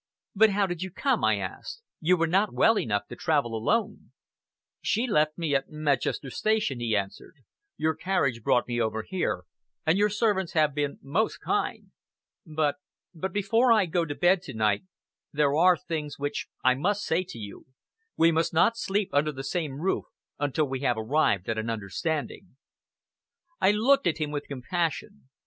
"But how did you come?" I asked. "You were not well enough to travel alone." "She left me at Medchester station," he answered. "Your carriage brought me over here, and your servants have been most kind. But but before I go to bed to night, there are things which I must say to you. We must not sleep under the same roof until we have arrived at an understanding." I looked at him with compassion.